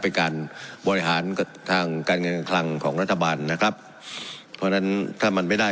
เป็นการบริหารทางการเงินการคลังของรัฐบาลนะครับเพราะฉะนั้นถ้ามันไม่ได้